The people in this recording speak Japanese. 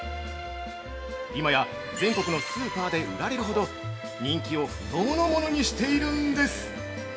今や全国のスーパーで売られるほど、人気を不動のものにしているんです！